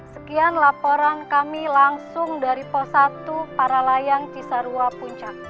sekian laporan kami langsung dari pos satu paralayang cisarua puncak